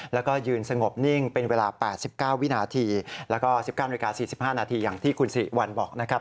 แล้วก็ยืนสงบนิ่งเป็นเวลา๘๙วินาทีแล้วก็๑๙นาฬิกา๔๕นาทีอย่างที่คุณสิริวัลบอกนะครับ